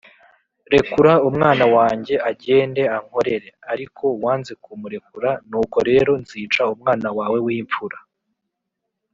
rekura umwana wanjye agende ankorere, ariko wanze kumurekura; nuko rero nzica umwana wawe w’imfura.